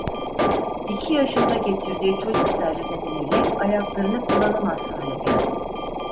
İki yaşında geçirdiği çocuk felci nedeniyle ayaklarını kullanamaz hale geldi.